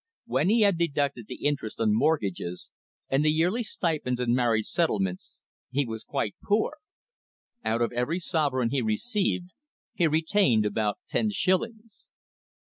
When he had deducted the interest on mortgages, and the yearly stipends and marriage settlements, he was quite poor. Out of every sovereign he received, he retained about ten shillings.